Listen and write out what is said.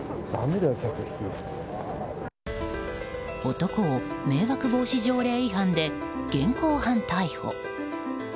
男を迷惑防止条例違反で現行犯逮捕。